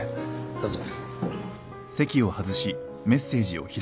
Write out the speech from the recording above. どうぞ。